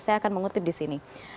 saya akan mengutip di sini